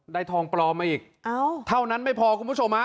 ทองปลอมมาอีกเท่านั้นไม่พอคุณผู้ชมฮะ